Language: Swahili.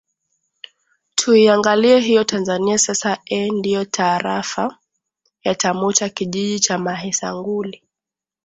tuiangalie hiyo tanzania sasa ee ndio taraafa ya tamuta kijiji cha mahesanguli